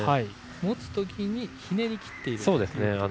持つときにひねり切っていると。